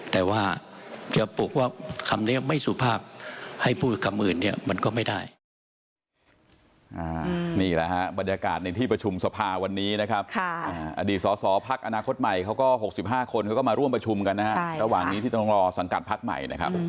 แต่ว่าจะปลุกว่าคำนี้ไม่สุภาพให้พูดคำอื่นเนี่ยมันก็ไม่ได้